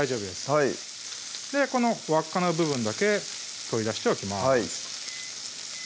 はいこの輪っかの部分だけ取り出しておきます・・